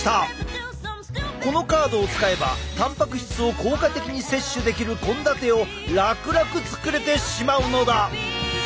このカードを使えばたんぱく質を効果的に摂取できる献立を楽々作れてしまうのだ！